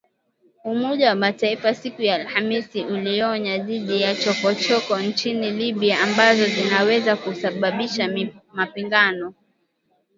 Umoja wa Mataifa, siku ya Alhamisi ,ulionya dhidi ya “chokochoko” nchini Libya ambazo zinaweza kusababisha mapigano